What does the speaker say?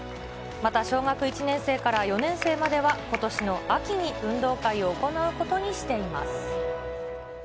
また小学１年生から４年生までは、ことしの秋に運動会を行うことにしています。